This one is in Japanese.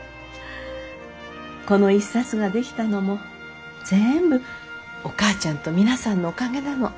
この一冊が出来たのも全部お母ちゃんと皆さんのおかげなの。